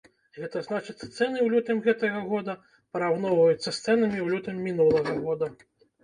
Гэта значыцца цэны ў лютым гэтага года параўноўваюцца з цэнамі ў лютым мінулага года.